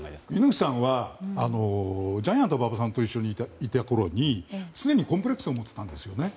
猪木さんはジャイアント馬場さんといたころ常にコンプレックスを持っていたんですね。